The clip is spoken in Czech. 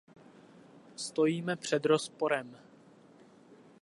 Stojíme před rozporem.